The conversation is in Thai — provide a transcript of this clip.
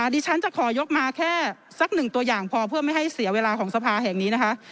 ดิฉันจะขอยกมาแค่สักหนึ่งตัวอย่างพอเพื่อไม่ให้เสียเวลาของสภาแห่งนี้นะคะ